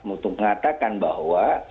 untuk mengatakan bahwa